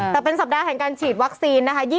แต่เป็นสัปดาห์แห่งการฉีดวัคซีนนะคะ